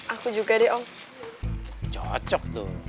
aku juga deh om